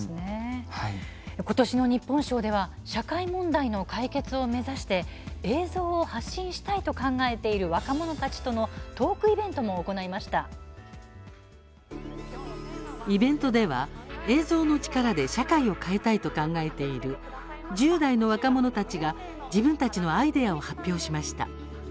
ことしの日本賞では社会問題の解決を目指して映像を発信したいと考えている若者たちとのイベントでは、映像の力で社会を変えたいと考えている１０代の若者たちが、自分たちのアイデアを発表しました。